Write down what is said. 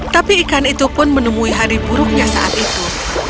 tapi ikan itu pun menemui hari buruknya saat itu